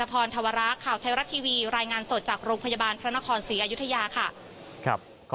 พูดสิทธิ์ข่าวธรรมดาทีวีรายงานสดจากโรงพยาบาลพระนครศรีอยุธยาครับ